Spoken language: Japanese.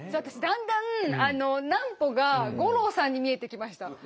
私だんだん南畝が五郎さんに見えてきました。